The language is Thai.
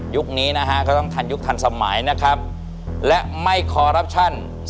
ยุคนี้นะฮะ